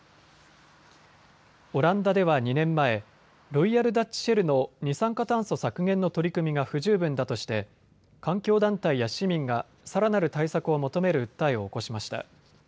オランダでは２年前、ロイヤル・ダッチ・シェルの二酸化炭素削減の取り組みが不十分だとして環境団体や市民がさらなる対策を求める訴えを起こしました。